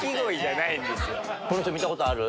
この人見たことある？